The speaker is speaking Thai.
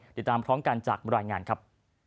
ติดตามพร้อมกันจากบรรยายงานครับ